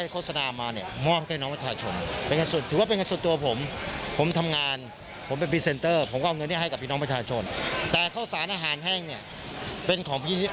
ก็เอาคูปองเน็ตไปรับข้อสารอาหารแห้ง